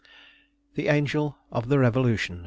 386 THE ANGEL OF THE REVOLUTION.